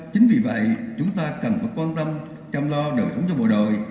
chính vì vậy chúng ta cần phải quan tâm chăm lo đời sống cho bộ đội